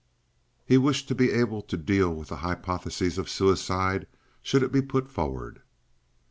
He wished to be able to deal with the hypothesis of suicide, should it be put forward.